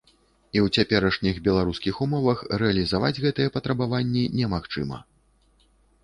І ў цяперашніх беларускіх умовах рэалізаваць гэтыя патрабаванні немагчыма.